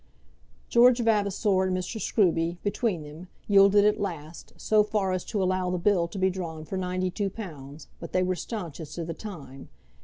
George Vavasor and Mr. Scruby, between them, yielded at last, so far as to allow the bill to be drawn for ninety two pounds, but they were stanch as to the time.